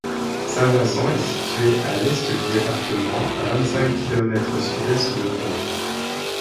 Saint-Vincent est située à l'est du département, à vingt-cinq kilomètres au sud-est de Pau.